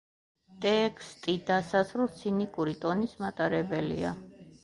ტექსტი დასასრულს ცინიკური ტონის მატარებელია.